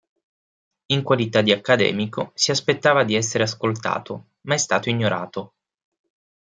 In qualità di accademico, si aspettava di essere ascoltato, ma è stato ignorato.